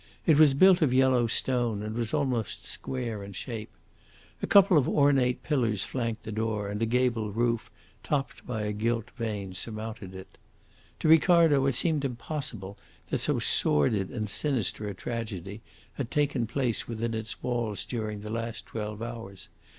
It was built of yellow stone, and was almost square in shape. A couple of ornate pillars flanked the door, and a gable roof, topped by a gilt vane, surmounted it. To Ricardo it seemed impossible that so sordid and sinister a tragedy had taken place within its walls during the last twelve hours.